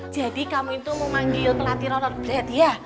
jadi kamu mau manggil pelatih rollerblade ya